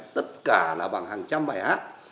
tất cả là bằng hàng trăm bài hát